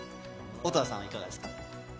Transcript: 音葉さん、いかがですか？